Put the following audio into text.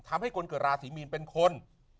ทำให้คนเกิดราศีมีนเป็นคน